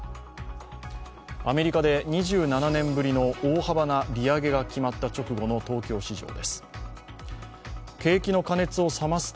アメリカで２７年ぶりの大幅な利上げが決まった直後の東京市場です。